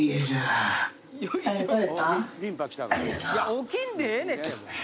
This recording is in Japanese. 起きんでええねんて！